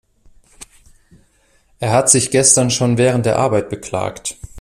Er hat sich gestern schon während der Arbeit beklagt.